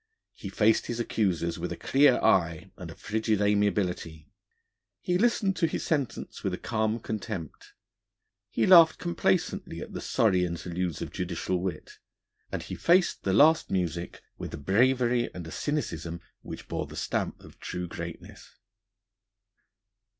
He faced his accusers with a clear eye and a frigid amiability; he listened to his sentence with a calm contempt; he laughed complacently at the sorry interludes of judicial wit; and he faced the last music with a bravery and a cynicism which bore the stamp of true greatness.